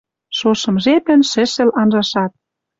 Шошым жепӹн шӹшӹл анжашат.